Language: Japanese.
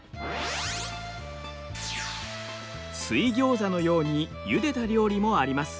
水ギョーザのようにゆでた料理もあります。